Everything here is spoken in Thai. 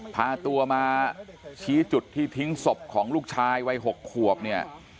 พาตัวมาชี้จุดที่ทิ้งศพของลูกชายวัย๖ขวบเนี่ย